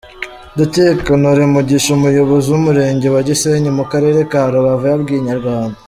Ndekezi Honore Mugisha umuyobozi w’umurenge wa Gisenyi mu karere ka Rubavu yabwiye Inyarwanda.